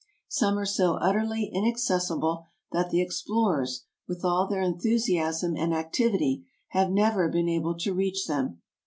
Some are so utterly inaccessible that the explorers, with all their enthusiasm and activity, have never been able to reach them.